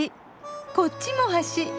こっちも橋。